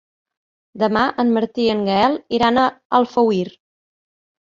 Demà en Martí i en Gaël iran a Alfauir.